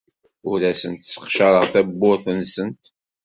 Ur asent-sseqcareɣ tawwurt-nsent.